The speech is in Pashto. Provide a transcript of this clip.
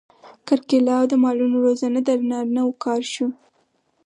کرکیله او د مالونو روزنه د نارینه وو کار شو.